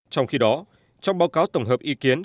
trong khi đó trong báo cáo tổng hợp ý kiến